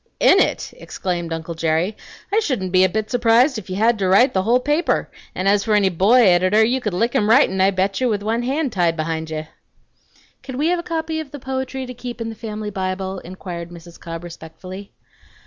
"IN it!" exclaimed uncle Jerry. "I shouldn't be a bit surprised if you had to write the whole paper; an' as for any boy editor, you could lick him writin', I bate ye, with one hand tied behind ye." "Can we have a copy of the poetry to keep in the family Bible?" inquired Mrs. Cobb respectfully.